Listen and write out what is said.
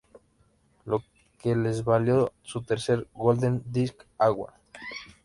Lo que les valió su tercer Golden Disc Award.